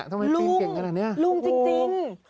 ทำไมปีนเก่งขนาดนี้โอ้โฮลุงจริง